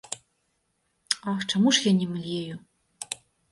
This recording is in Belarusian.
Ах, чаму ж я не млею?